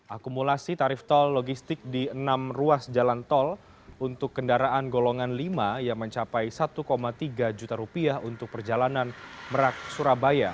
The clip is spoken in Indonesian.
akumulasi tarif tol logistik di enam ruas jalan tol untuk kendaraan golongan lima yang mencapai rp satu tiga juta rupiah untuk perjalanan merak surabaya